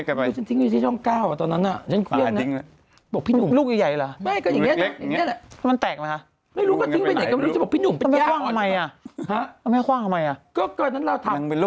ใครวะครับคุณแม่นนี่ฉันเครื่องทิ้งแล้วเถอะเนอะ